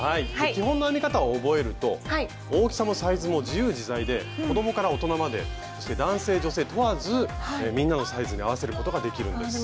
基本の編み方を覚えると大きさもサイズも自由自在で子どもから大人までそして男性女性問わずみんなのサイズに合わせることができるんです。